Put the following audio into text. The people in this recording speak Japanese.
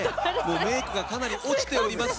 メイクがかなり落ちております。